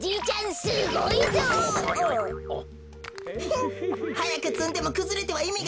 フンはやくつんでもくずれてはいみがないのです。